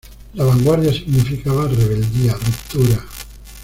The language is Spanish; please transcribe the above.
La vanguardia significaba rebeldía, ruptura.